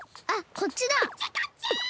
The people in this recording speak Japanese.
こっちこっち！